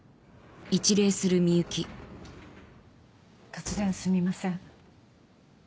突然すみません。